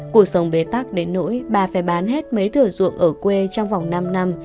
cuộc sống bế tắc đến nỗi bà phải bán hết mấy thửa ruộng ở quê trong vòng năm năm